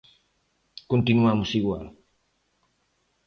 Continuamos igual.